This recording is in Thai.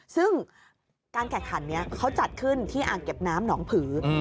ซึ่งการแข่งขันนี้เขาจัดขึ้นที่อ่างเก็บน้ำหนองผือ